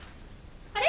あれ？